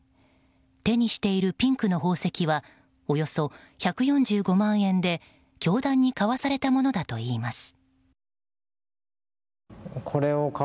手にしているピンクの宝石はおよそ１４５万円で教団に買わされたものだといいます。